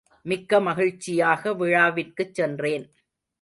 மிக்க மகிழ்ச்சியாக விழாவிற்குச் சென்றேன்.